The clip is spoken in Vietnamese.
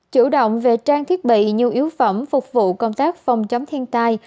chủ động về trang thiết bị nhu yếu phẩm phục vụ công tác phòng chống thiên tai